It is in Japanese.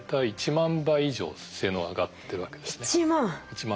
１万！